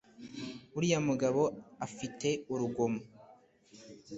uriya mugabo afite urugomo